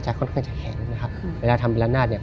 จากไม้ได้อย่างน้อย